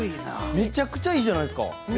めちゃくちゃいいじゃないですか。